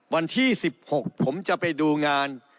วันที่๑๖ผมจะไปดูงาน